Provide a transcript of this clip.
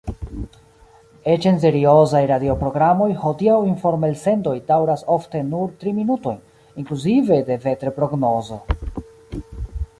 Eĉ en seriozaj radioprogramoj hodiaŭ informelsendoj daŭras ofte nur tri minutojn, inkluzive de veterprognozo.